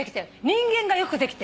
人間がよくできてる。